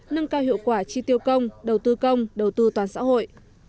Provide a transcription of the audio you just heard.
nâng cao hiệu quả chi tiêu công đầu tư công đầu tư toàn xã hội